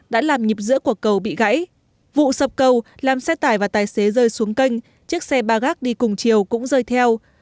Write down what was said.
đã làm nhịp giữa của cầu bị gãy vụ sập cầu làm xe tải và tài xế rơi xuống kênh chiếc xe ba gác đi cùng chiều cũng rơi theo